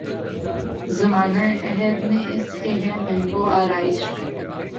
زمانہ عہد میں اس کے ہے محو آرایش